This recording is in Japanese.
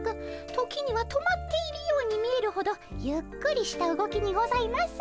時には止まっているように見えるほどゆっくりした動きにございます。